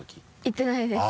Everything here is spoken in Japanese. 言ってないです。